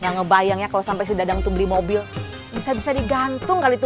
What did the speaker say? ih yang ngebayangnya kalau sampai sedang tumbuh mobil bisa bisa digantung kali itu